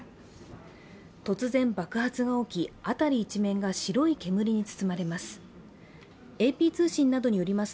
突然爆発が起き、辺り一面が白い煙に包まれます。